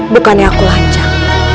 bukannya aku lancar